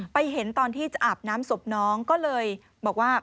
เห็นตอนที่จะอาบน้ำศพน้องก็เลยบอกว่า